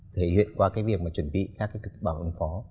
thể hiện qua cái việc mà chuẩn bị các cái kịch bản ứng phó